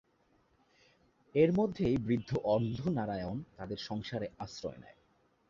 এর মধ্যেই বৃদ্ধ অন্ধ নারায়ণ তাদের সংসারে আশ্রয় নেয়।